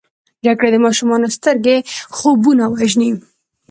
جګړه د ماشومو سترګو خوبونه وژني